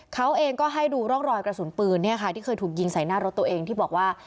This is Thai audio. เขาเองก็ให้ดูร่องรอยกระสุนปืนที่เคยถูกยิงใส่หน้ารถตัวเองที่บอกว่า